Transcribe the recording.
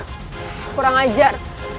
kau tidak bisa mengajar